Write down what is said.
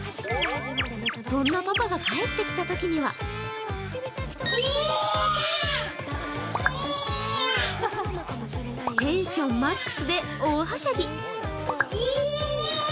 そんなパパが帰ってきたときにはテンションマックスで大はしゃぎ。